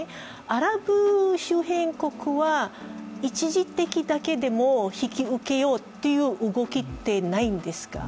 アラブ周辺国は一時的だけでも引き受けようという動きはないんですか？